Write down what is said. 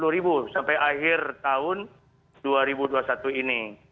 tujuh ratus dua puluh ribu sampai akhir tahun dua ribu dua puluh satu ini